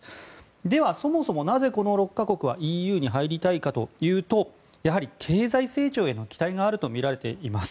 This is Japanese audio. では、そもそもこの６か国はＥＵに入りたいかというとやはり経済成長への期待があるとみられています。